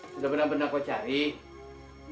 sudah benar benar kau cari